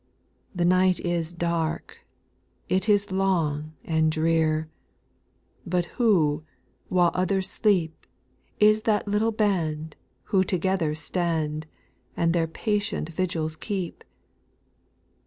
2. The night is dark, it is long and drear. But who, while others sleep, Is that little band, who together stand. And their patient vigils keep